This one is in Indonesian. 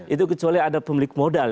itu kecuali ada pemilik modal